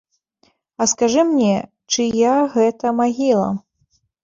А скажы мне, чыя гэта магіла?